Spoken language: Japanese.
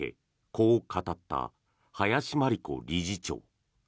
こう語った、林真理子理事長。